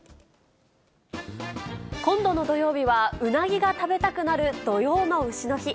今度の土曜日は、うなぎが食べたくなる土用のうしの日。